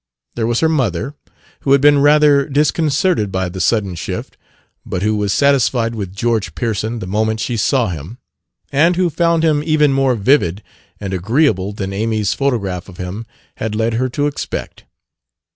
There was her mother, who had been rather disconcerted by the sudden shift, but who was satisfied with George Pearson the moment she saw him, and who found him even more vivid and agreeable than Amy's photograph of him had led her to expect.